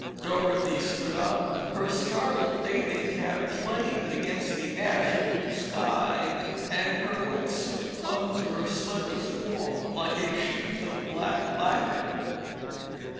Dorothy stood up. Her scarlet bathing cap flamed against the ash blue sky and her wet suit clung to her slender form like a sheath of black lacquer.